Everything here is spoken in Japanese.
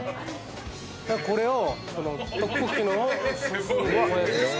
これを。